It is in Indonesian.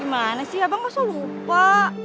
gimana sih abang masa lupa